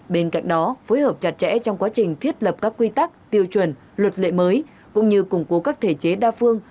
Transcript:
bên cạnh đó phối hợp chặt chẽ trong quá trình thiết lập các quy tắc tiêu chuẩn luật lệ mới cũng như củng cố các thể chế đa phương